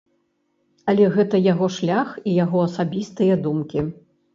Але гэта яго шлях і яго асабістыя думкі.